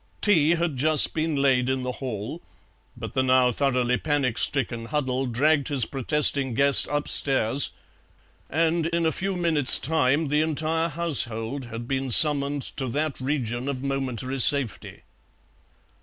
Tea had just been laid in the hall, but the now thoroughly panic stricken Huddle dragged his protesting guest upstairs, and in a few minutes' time the entire household had been summoned to that region of momentary safety.